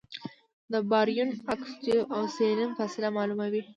د باریون اکوسټک اوسیلیشن فاصله معلوموي.